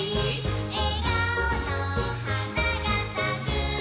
「えがおのはながさく」